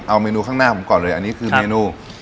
เอาเมนูข้างหน้าผมก่อนเลยอันนี้คือเมนู